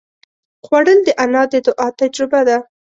خوړل د انا د دعا تجربه ده